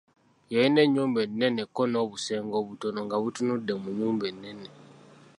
Yalina ennyumba ennene ko n'obusenge obutono nga butunudde mu nnyumba ennene.